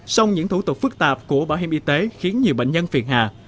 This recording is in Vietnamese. song những thủ tục phức tạp của bảo hiểm y tế khiến nhiều bệnh nhân phiền hà